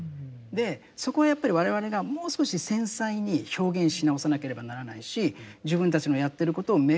そこはやっぱり我々がもう少し繊細に表現し直さなければならないし自分たちのやってることを明確に語っていく。